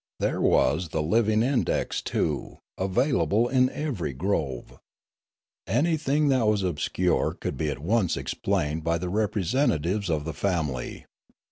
There was the living index, too, avail able in every grove. Anything that was obscure could 78 Limanora be at once explained by the representatives of the family.